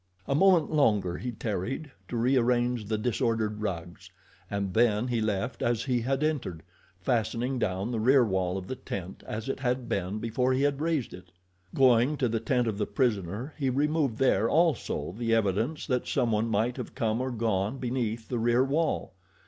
A moment longer he tarried to rearrange the disordered rugs, and then he left as he had entered, fastening down the rear wall of the tent as it had been before he had raised it. Going to the tent of the prisoner he removed there also the evidence that someone might have come or gone beneath the rear wall.